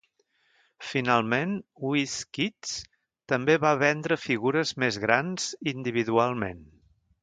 Finalment, Wiz Kids també va vendre figures més grans individualment.